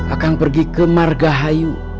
akang pergi ke margahayu